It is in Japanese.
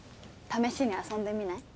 試しに遊んでみない？